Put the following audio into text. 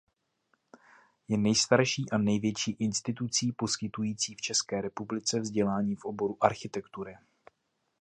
Je nejstarší a největší institucí poskytující v České republice vzdělání v oboru architektury.